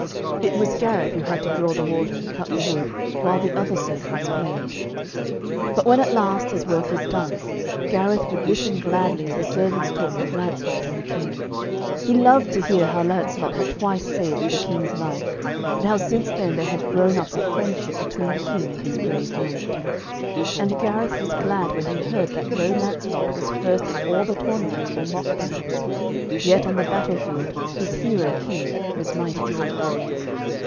It was Gareth who had to draw the water and cut the wood, while the other servants played. But when at last his work was done, Gareth would listen gladly as the servants talked of Lancelot and the King. He loved to hear how Lancelot had twice saved the King's life, and how since then there had grown up a great friendship between the King and his brave knight. And Gareth was glad when he heard that though Lancelot was first in all the tournaments or mock battles, yet on the battle field his hero King was mightiest of all.